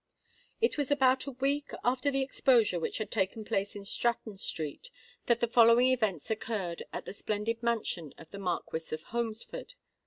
It was about a week after the exposure which had taken place in Stratton Street, that the following events occurred at the splendid mansion of the Marquis of Holmesford.